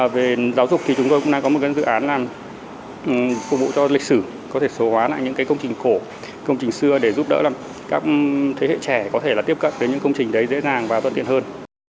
về giáo dục thì chúng tôi cũng đang có một dự án là phục vụ cho lịch sử có thể số hóa lại những công trình cổ công trình xưa để giúp đỡ các thế hệ trẻ có thể là tiếp cận tới những công trình đấy dễ dàng và thuận tiện hơn